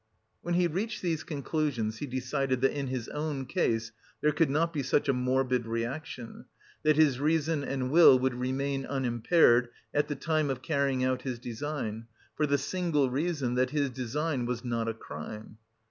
When he reached these conclusions, he decided that in his own case there could not be such a morbid reaction, that his reason and will would remain unimpaired at the time of carrying out his design, for the simple reason that his design was "not a crime...."